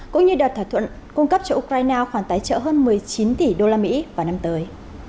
cũng như đạt thỏa thuận cung cấp cho ukraine khoản tài trợ hơn một mươi chín tỷ usd vào năm tới